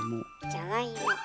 じゃがいも。